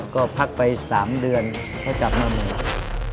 ก็พักไป๓เดือนแล้วจับมามือ